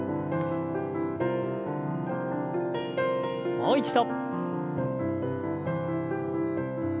もう一度。